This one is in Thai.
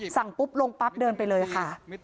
ปุ๊บลงปั๊บเดินไปเลยค่ะ